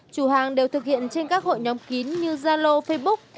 chủ hàng đều thực hiện trên các hội nhóm kín như zalo facebook